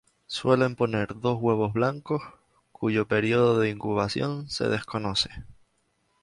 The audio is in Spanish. Suelen poner dos huevos blancos, cuyo periodo de incubación se desconoce.